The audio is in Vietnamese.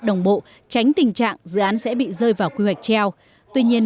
đồng bộ tránh tình trạng dự án sẽ bị rơi vào quy hoạch treo tuy nhiên